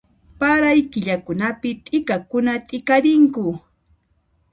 Paray killakunapi t'ikakuna t'ikarinku